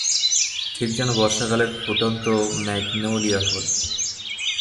ঠিক যেন বর্ষাকালের ফুটন্ত ম্যাগনোলিয়া ফুল।